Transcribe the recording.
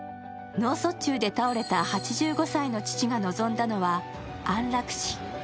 脳卒中で倒れた８５歳の父が望んだのは安楽死。